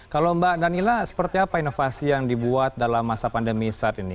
kalau mbak danila seperti apa inovasi yang dibuat dalam masa pandemi saat ini